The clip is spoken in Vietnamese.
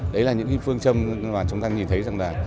đấy là những phương châm mà chúng ta nhìn thấy rằng là